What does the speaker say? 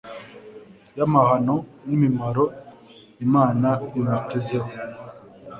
y' amahano N' imimaro Imana imutezeho.